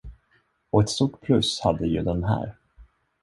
Och ett stort plus hade ju den här.